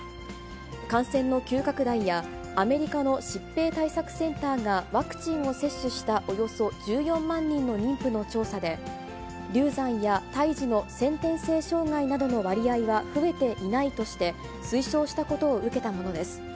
感染の急拡大や、アメリカの疾病対策センターがワクチンを接種したおよそ１４万人の妊婦の調査で、流産や胎児の先天性障害などの割合は増えていないとして、推奨したことを受けたものです。